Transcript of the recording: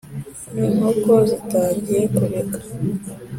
inkoko zitangiye kubika